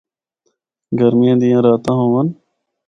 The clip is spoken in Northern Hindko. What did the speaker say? گرمیاں دیاں راتاں ہوّن۔